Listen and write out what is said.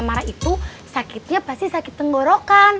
mak suha pakaihumgerek